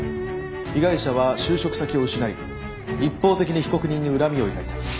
被害者は就職先を失い一方的に被告人に恨みを抱いた。